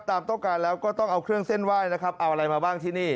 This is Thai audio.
ตามต้องการแล้วก็ต้องเอาเครื่องเส้นไหว้นะครับเอาอะไรมาบ้างที่นี่